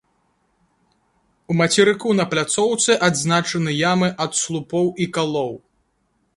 У мацерыку на пляцоўцы адзначаны ямы ад слупоў і калоў.